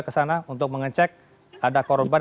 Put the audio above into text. ke sana untuk mengecek ada korban